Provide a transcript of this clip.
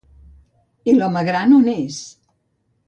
I l'home gran on és?